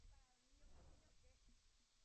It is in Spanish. La Expresión Corporal, actividad integradora.